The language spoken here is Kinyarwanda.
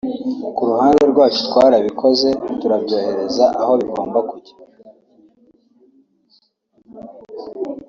ku ruhande rwacu twarabikoze turabyohereza aho bigomba kujya